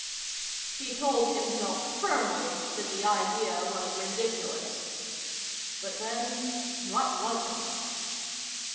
He told himself firmly that the idea was ridiculous. But, then, what wasn't?